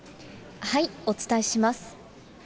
お伝えします。